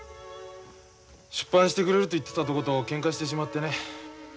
出版してくれると言ってたとことけんかしてしまってね